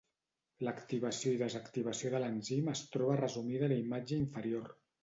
L'activació i desactivació de l'enzim es troba resumida a la imatge inferior.